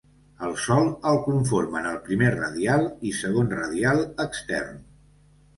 El sòl el conformen el primer radial i segon radial extern.